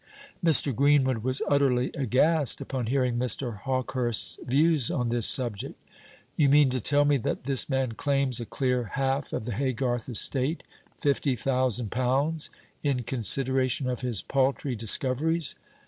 Mr. Greenwood was utterly aghast upon hearing Mr. Hawkehurst's views on this subject. "You mean to tell me that this man claims a clear half of the Haygarth estate fifty thousand pounds in consideration of his paltry discoveries!"